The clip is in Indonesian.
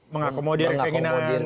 mengakomodir pengenangan pak kiai